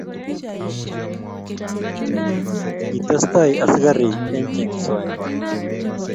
Kietestai askarik eng kechengso nenywan